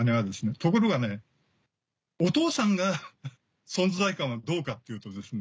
ところがねお父さんが存在感はどうかっていうとですね